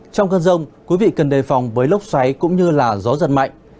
trong cơn rông quý vị cần đề phòng với lốc xoáy cũng như gió giật mạnh